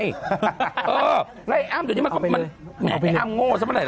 เออแล้วไอ้อ้าวมันอยู่ที่นี่ไอ้อ้าวมันโง่สักเมื่อไหร่